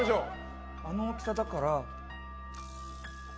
あの大きさだから。